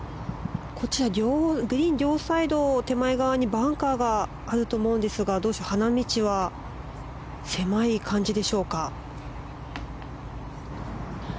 両サイド手前側にバンカーがあると思うんですがどうでしょう花道は狭い感じでしょうか。